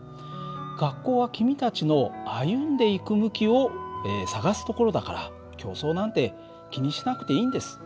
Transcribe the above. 学校は君たちの歩んでいく向きを探すところだから競争なんて気にしなくていいんです。